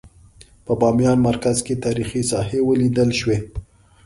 په بامیان مرکز کې تاریخي ساحې ولیدل شوې.